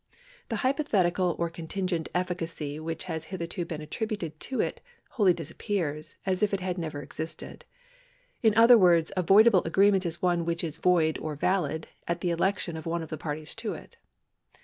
The hypothetical or contingent efficacy which has hitherto been attributed to it wholly disappears, as if it had never existed. In other words, a voidable agreement is one which is void or valid at the election of one of the parties to it.